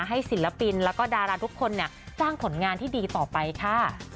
ศิลปินแล้วก็ดาราทุกคนสร้างผลงานที่ดีต่อไปค่ะ